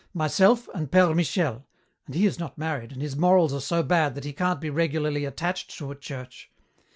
Myself and Père Michel, and he is not married and his morals are so bad that he can't be regularly attached to a church.